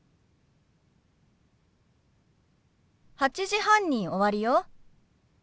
８時半に終わるよ。